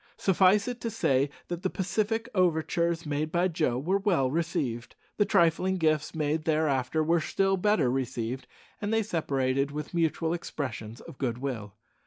Suffice it to say that the pacific overtures made by Joe were well received, the trifling gifts made thereafter were still better received, and they separated with mutual expressions of good will.